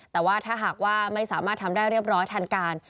แต่ว่าถ้าหากว่าไม่สามารถทำได้เรียบร้อยทันการ